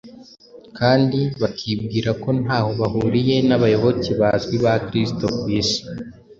kandi bakibwira ko ntaho bahuriye n’abayoboke bazwi ba Kristo ku isi.